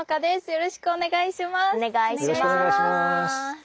よろしくお願いします。